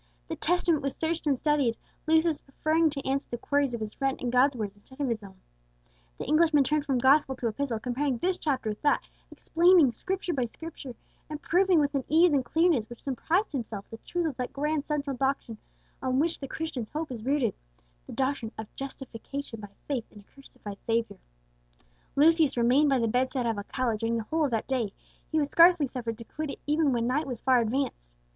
The Testament was searched and studied, Lucius preferring to answer the queries of his friend in God's words instead of his own. The Englishman turned from gospel to epistle, comparing this chapter with that, explaining scripture by scripture, and proving with an ease and clearness which surprised himself the truth of that grand central doctrine on which the Christian's hope is rooted, the doctrine of justification by faith in a crucified Saviour. Lucius remained by the bedside of Alcala during the whole of that day; he was scarcely suffered to quit it even when night was far advanced.